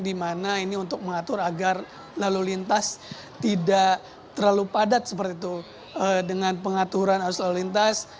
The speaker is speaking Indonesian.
di mana ini untuk mengatur agar lalu lintas tidak terlalu padat seperti itu dengan pengaturan arus lalu lintas